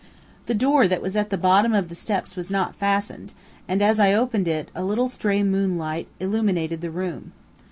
The door that was at the bottom of the steps was not fastened, and, as I opened it, a little stray moonlight illumed the room.